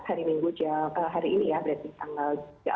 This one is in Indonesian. hari ini ya berarti tanggal